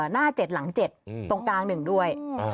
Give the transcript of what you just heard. หน้า๗หลัง๗ตรงกลาง๑ด้วย